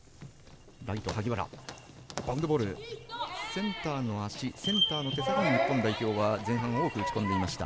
センターの足、センターの手先に日本代表は前半多く打ち込んでいました。